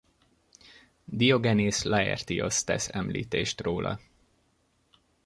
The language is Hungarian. Diogenész Laertiosz tesz említést róla.